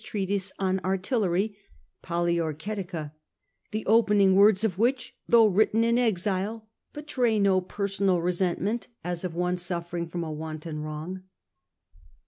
a treatise on artillery (Poliorketica), the opening words of which, though written in exile, betray no personal resent ment as of one suffering from a wanton wrong.